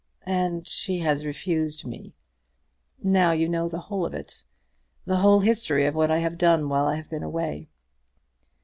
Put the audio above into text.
"And she has refused me. Now you know the whole of it, the whole history of what I have done while I have been away."